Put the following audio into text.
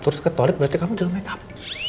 terus ke toilet berarti kamu juga makeup